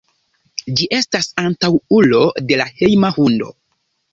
Ĝi estas antaŭulo de hejma hundo.